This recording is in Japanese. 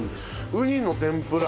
ウニの天ぷら？